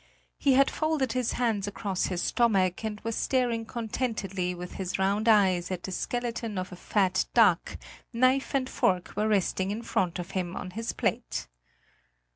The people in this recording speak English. He had folded his hands across his stomach, and was staring contentedly with his round eyes at the skeleton of a fat duck; knife and fork were resting in front of him on his plate.